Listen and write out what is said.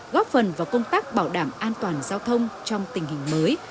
góp phần vào công tác bảo đảm an toàn giao thông trong tình hình mới